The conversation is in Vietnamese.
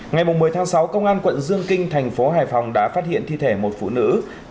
ngày một mươi tháng sáu công an quận dương kinh thành phố hải phòng đã phát hiện thi thể một phụ nữ